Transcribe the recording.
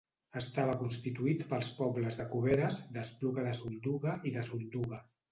Estava constituït pels pobles de Cuberes, d'Espluga de Solduga i de Solduga.